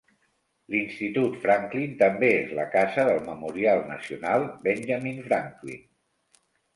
L'Institut Franklin també es la casa del Memorial Nacional Benjamin Franklin.